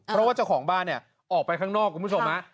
เพราะว่าเจ้าของบ้านเนี่ยออกไปข้างนอกคุณผู้ชมฮะ